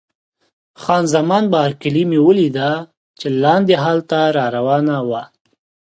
خان زمان بارکلي مې ولیده چې لاندې هال ته را روانه وه.